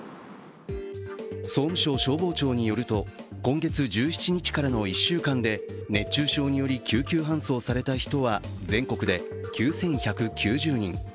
総務省消防庁によると、今月１７日からの１週間で熱中症により救急搬送された人は全国で９１９０人。